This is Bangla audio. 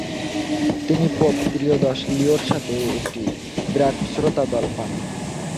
তিনি পোপ ত্রয়োদশ লিওর সাথে একটি বিরাট শ্রোতাদল পান।